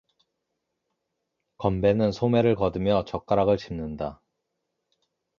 건배는 소매를 걷으며 젓가락을 집는다.